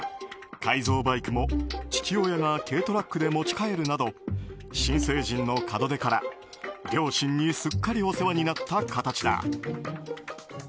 改造バイクも父親が軽トラックで持ち帰るなど新成人の門出から両親にすっかりお世話になった形だ。